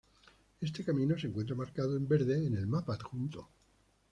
Este camino se encuentra marcado en verde en el mapa adjunto.